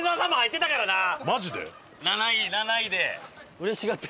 うれしがってる。